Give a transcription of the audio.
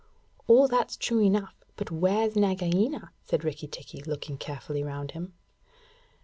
'All that's true enough; but where's Nagaina?' said Rikki tikki, looking carefully round him.